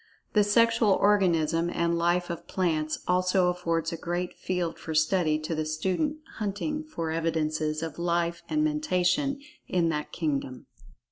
The sexual organism and life of plants also affords a great field for study to the student hunting for evidences of "life" and "Mentation" in that kingdom.